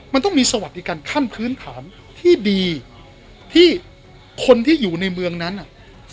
มันต้องมีสวัสดิการขั้นพื้นฐานที่ดีที่คนที่อยู่ในเมืองนั้นน่ะ